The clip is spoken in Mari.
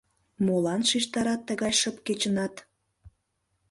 Молан шижтарат тыгай шып кечынат?